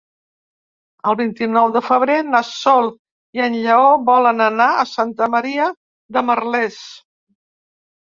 El vint-i-nou de febrer na Sol i en Lleó volen anar a Santa Maria de Merlès.